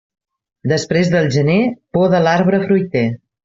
Després del gener, poda l'arbre fruiter.